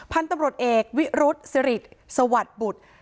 พันธุ์ตำรวจเอกวิรุษสิริสวัสดิ์บุตร